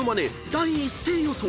第一声予想］